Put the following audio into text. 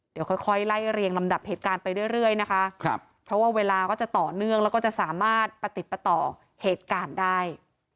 เดี๋ยวค่อยไล่เรียงลำดับเหตุการณ์ไปเรื่อยนะคะเพราะว่าเวลาก็จะต่อเนื่องแล้วก็จะสามารถประติดประต่อเหตุการณ์ได้